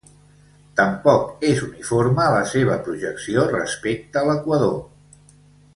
Tampoc és uniforme la seva projecció respecte a l'equador.